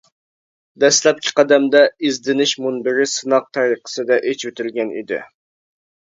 دەسلەپكى قەدەمدە ئىزدىنىش مۇنبىرى سىناق تەرىقىسىدە ئېچىۋېتىلگەن ئىدى.